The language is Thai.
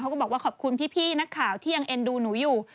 ก็บอกว่าขอบคุณพี่นักข่าวที่ยังเอ็นดูหนูอยู่